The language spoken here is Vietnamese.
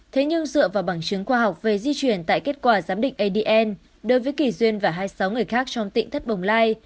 thế nhưng dựa vào bằng chứng khoa học về di chuyển tại kết quả giám định adn đối với kỳ duyên và hai mươi sáu người khác trong tỉnh thất bồng lai